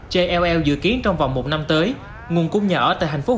jll dự kiến trong vòng một năm tới nguồn cung nhà ở tại tp hcm